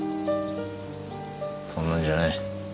そんなんじゃない。